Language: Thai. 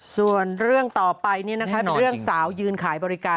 ส่วนเรื่องต่อไปเป็นเรื่องสาวยืนขายบริการ